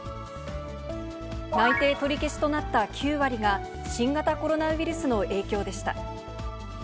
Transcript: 内定取り消しとなった９割が、新型コロナウイルスの影響でした。